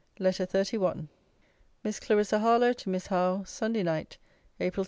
LETTER XXXI MISS CLARISSA HARLOWE, TO MISS HOWE SUNDAY NIGHT, APRIL 2.